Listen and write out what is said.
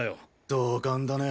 同感だね。